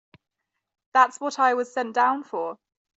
That's what I was sent down for.